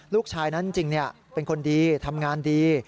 ลูกชายนั้นจริงเป็นคนดีทำงานดี